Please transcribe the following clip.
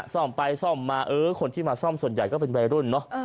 ซ่อมไปซ่อมมาเออคนที่มาซ่อมส่วนใหญ่ก็เป็นวัยรุ่นเนอะ